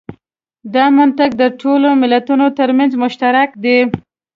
دا منطق د ټولو ملتونو تر منځ مشترک دی.